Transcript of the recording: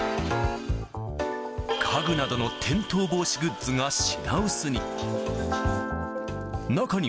家具などの転倒防止グッズが品薄に。